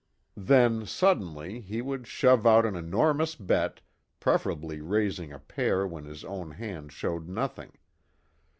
Then, suddenly, he would shove out an enormous bet, preferably raising a pair when his own hand showed nothing.